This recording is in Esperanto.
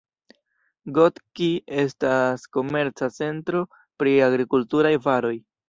Gotki estas komerca centro pri agrikulturaj varoj.